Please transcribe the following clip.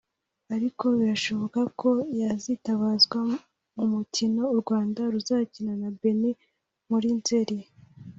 ariko birashoboka ko yazitabazwa mu mukino u Rwanda ruzakina na Benin muri Nzeri